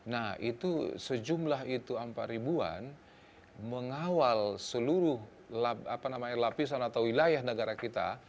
nah itu sejumlah itu empat ribuan mengawal seluruh lapisan atau wilayah negara kita